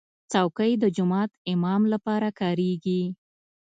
چوکۍ د جومات امام لپاره کارېږي.